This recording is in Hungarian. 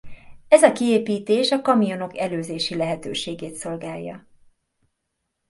Ez a kiépítés a kamionok előzési lehetőségét szolgálja.